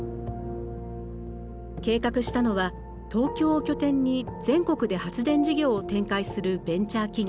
計画したのは東京を拠点に全国で発電事業を展開するベンチャー企業。